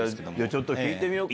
ちょっと聞いてみよう。